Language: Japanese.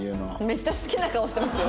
めっちゃ好きな顔してる。